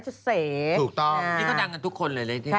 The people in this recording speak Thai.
อีกทั้งยังมียอดแฟนคลับเนี่ยเข้ามากกว่า๗แสนคนแล้วนะครับ